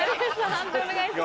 判定お願いします。